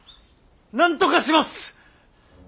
なんとかします！